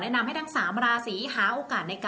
ส่งผลทำให้ดวงชาวราศีมีนดีแบบสุดเลยนะคะ